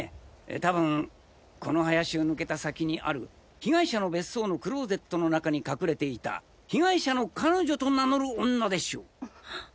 多分この林を抜けた先にある被害者の別荘のクローゼットの中に隠れていた被害者の彼女と名乗る女でしょう。